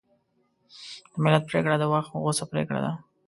د ملت پرېکړه د وخت غوڅه پرېکړه ده.